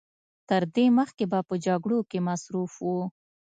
تر دې مخکې به په جګړو کې مصروف و.